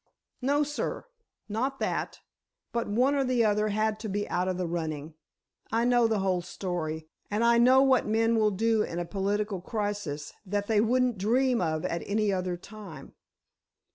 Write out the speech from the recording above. "No, sir, not that. But one or the other had to be out of the running. I know the whole story, and I know what men will do in a political crisis that they wouldn't dream of at any other time.